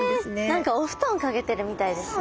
何かお布団掛けてるみたいですね。